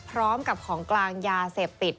พร้อมกับของกลางยาเสพติด